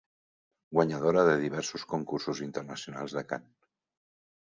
Guanyadora de diversos concursos internacionals de cant.